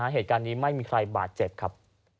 เหตุการณ์นี้ไม่มีใครบาดเจ็บครับ